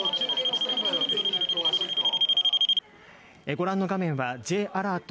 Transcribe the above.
ご覧の画面は、Ｊアラート